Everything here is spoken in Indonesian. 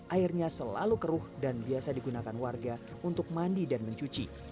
airnya selalu keruh dan biasa digunakan warga untuk mandi dan mencuci